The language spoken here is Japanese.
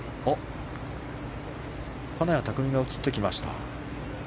金谷拓実が映ってきました。